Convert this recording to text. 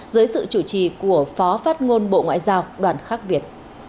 dưới sự chủ trì của phó phát ngôn bộ ngoại giao đoàn khắc việt